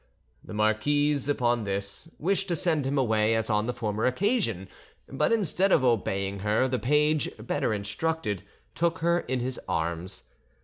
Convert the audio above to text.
The marquise upon this wished to send him away, as on the former occasion, but instead of obeying her, the page, better instructed, took her in his arms.